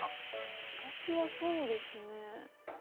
私はそうですね